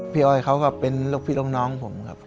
อ้อยเขาก็เป็นลูกพี่ลูกน้องผมครับ